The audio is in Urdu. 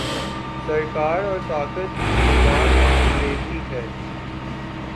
سرکار اور طاقت کی زبان انگریزی ہے۔